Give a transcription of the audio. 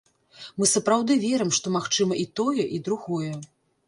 Мы сапраўды верым, што магчыма і тое, і другое.